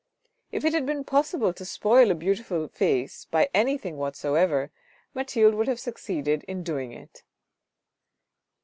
If it had been possible to spoil so beautiful a face by any thing whatsoever, Mathilde would have succeeded in doing it.